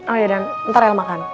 oh iya dan ntar el makan